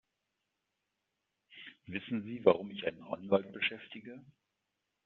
Wissen Sie, warum ich einen Anwalt beschäftige?